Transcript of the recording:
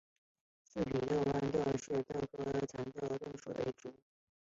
四籽野豌豆是豆科蚕豆属的植物。